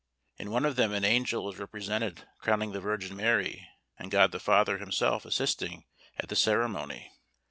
In one of them an angel is represented crowning the Virgin Mary, and God the Father himself assisting at the ceremony.